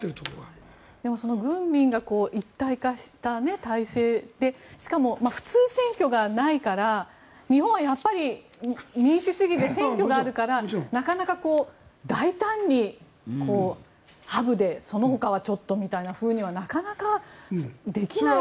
軍民が一体化した体制でしかも、普通選挙がないから日本はやっぱり民主主義で選挙があるからなかなか大胆にハブでそのほかはちょっとみたいなふうにはなかなかできない。